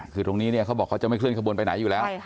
คือตรงนี้เขาบอกว่าเขาจะไม่เคลื่อนข้างบนไปไหนอยู่แล้ว